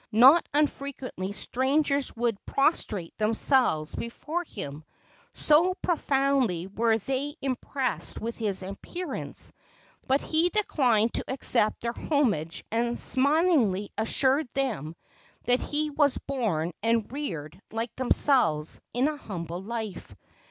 Not unfrequently strangers would prostrate themselves before him, so profoundly were they impressed with his appearance, but he declined to accept their homage and smilingly assured them that he was born and reared, like themselves, in humble life.